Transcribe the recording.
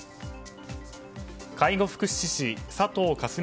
介護福祉士・佐藤果純